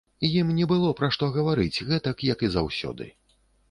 Ім не было пра што гаварыць гэтак, як і заўсёды.